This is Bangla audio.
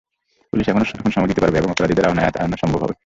পুলিশ এখন সময় দিতে পারবে এবং অপরাধীদের আইনের আওতায় আনা সম্ভব হবে।